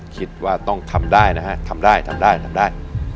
คิดว่าต้องทำได้นะฮะทำได้ทำได้ทำได้